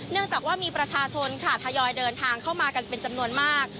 จากว่ามีประชาชนค่ะทยอยเดินทางเข้ามากันเป็นจำนวนมาก